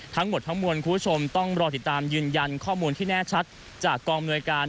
ทั้งหมดทั้งมวลคุณผู้ชมต้องรอติดตามยืนยันข้อมูลที่แน่ชัดจากกองอำนวยการ